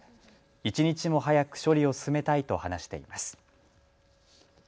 一日も早く処理を進めたいと話しています。